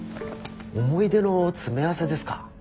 思い出の詰め合わせですか。